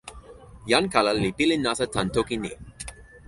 jan kala li pilin nasa tan toki ni.